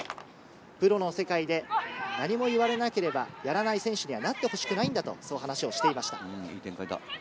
プロの世界で何も言われなければやらない選手にはなってほしくないんだと話をしていました。